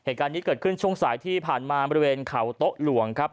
ตอนนี้เกิดขึ้นช่วงสายที่ผ่านมาบริเวณเขาโต๊ะหลวง